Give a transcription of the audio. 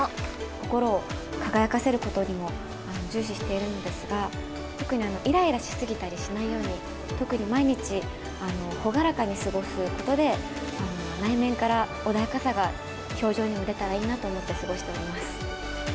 心を輝かせることにも重視しているのですが、特にいらいらし過ぎたりしないように、特に毎日、朗らかに過ごすことで、内面から穏やかさが表情にも出たらいいなと思って、過ごしております。